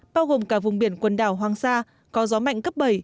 bao gồm cả vùng biển quần đảo hoàng sa có gió mạnh cấp bảy